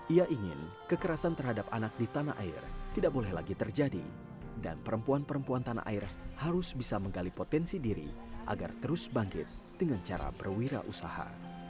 ia ingin kekerasan terhadap anak di tanah air tidak boleh lagi terjadi dan perempuan perempuan tanah air harus bisa menggali potensi diri agar terus bangkit dengan cara berwirausaha